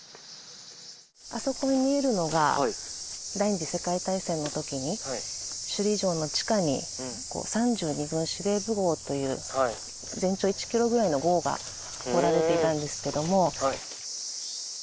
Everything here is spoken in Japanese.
あそこに見えるのが、第２次世界大戦のときに、首里城の地下に３２軍司令部ごうという全長１キロぐらいのごうが掘られていたんですけども。